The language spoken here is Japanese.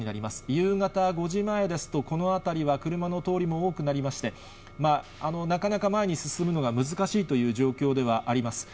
夕方５時前ですと、この辺りは車の通りも多くなりまして、なかなか前に進むのが難しいという状況ではあります。